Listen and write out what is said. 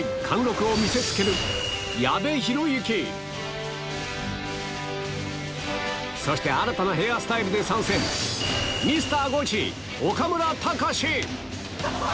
貫禄を見せつけるそして新たなヘアスタイルで参戦ミスターゴチ！